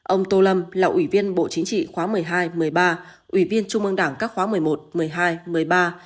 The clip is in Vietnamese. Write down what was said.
ông tô lâm là ủy viên bộ chính trị khóa một mươi hai một mươi ba ủy viên trung ương đảng các khóa một mươi một một mươi hai một mươi ba